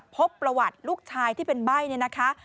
พบประวัติลูกชายที่เป็นใบ้เนี่ยนะคะ